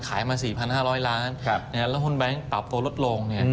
มา๔๕๐๐ล้านแล้วหุ้นแบงค์ปรับตัวลดลง